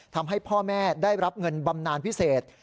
ทำให้พ่อแม่ได้รับเงินบำนานพิเศษ